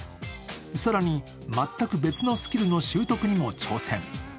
更に、全く別のスキルの習得にも挑戦。